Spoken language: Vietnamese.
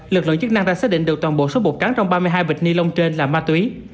lực lượng chức năng đã xác định được toàn bộ số bột cắn trong ba mươi hai bịch ni lông trên là ma túy